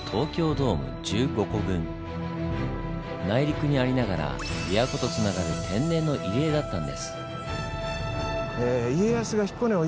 内陸にありながら琵琶湖とつながる天然の入り江だったんです。